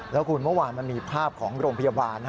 แล้วคุณเมื่อวานมันมีภาพของโรงพยาบาล